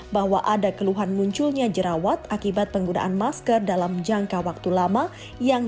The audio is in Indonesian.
bahwa ada keluhan munculnya jerawat akibat penggunaan masker dalam jangka waktu lama yang